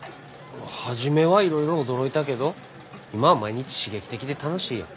初めはいろいろ驚いたけど今は毎日刺激的で楽しいよ。